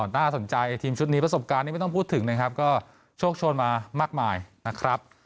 น่าสนใจทีมชุดนี้ประสบการณ์นี้ไม่ต้องพูดถึงนะครับก็โชคโชนมามากมายนะครับ